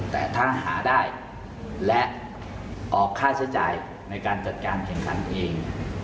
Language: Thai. แต่ถ้าหาได้และออกค่าใช้จ่ายในการจัดการแข่งขันเอง